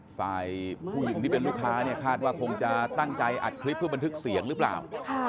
ฝ่ายผู้หญิงที่เป็นลูกค้าเนี่ยคาดว่าคงจะตั้งใจอัดคลิปเพื่อบันทึกเสียงหรือเปล่า